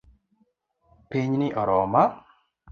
Pinyni oroma